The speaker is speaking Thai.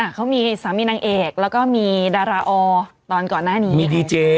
เขามีสามีนางเอกแล้วก็มีดาราออตอนก่อนหน้านี้มีดีเจ